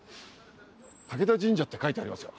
武田神社って書いてありますよ。